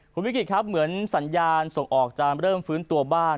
คุณวิกฤตครับเหมือนสัญญาณส่งออกจะเริ่มฟื้นตัวบ้าง